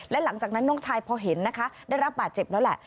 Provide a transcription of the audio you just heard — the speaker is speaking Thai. และหลังจากนั้นน้องชายพอเห็นนะคะได้รับบาดเจ็บแล้วแหละ